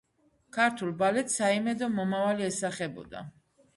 ქართულ ბალეტს საიმედო მომავალი ესახებოდა.